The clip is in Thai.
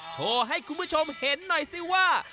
โชว์ให้คุณผู้ชมเห็นหน่อยสิว่า